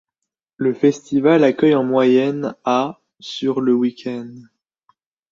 Le festival accueille en moyenne à sur le week-end.